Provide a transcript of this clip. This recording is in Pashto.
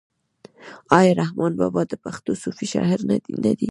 آیا رحمان بابا د پښتو صوفي شاعر نه دی؟